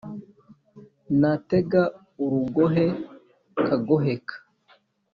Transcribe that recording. natega urugohe nkaguheka